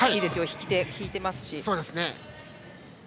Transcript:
引き手を引いていますし。